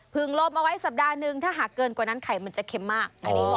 ลมเอาไว้สัปดาห์หนึ่งถ้าหากเกินกว่านั้นไข่มันจะเค็มมาก